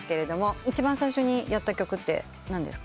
一番最初にやった曲って何ですか？